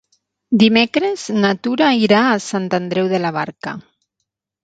Dimecres na Tura irà a Sant Andreu de la Barca.